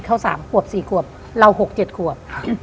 เขา๓ขวบ๔ขวบเรา๖๗ขวบ